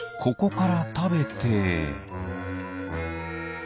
ここからたべて。